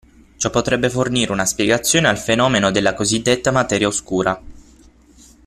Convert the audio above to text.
Ciò potrebbe fornire una spiegazione al fenomeno della cosiddetta materia oscura.